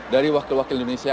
dari wakil wakil indonesia